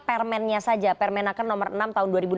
permennya saja permen akan nomor enam tahun